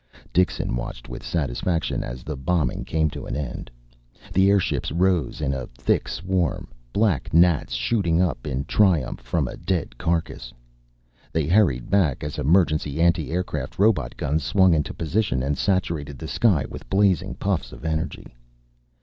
Dixon watched with satisfaction as the bombing came to an end. The airships rose in a thick swarm, black gnats shooting up in triumph from a dead carcass. They hurried back as emergency anti aircraft robot guns swung into position and saturated the sky with blazing puffs of energy.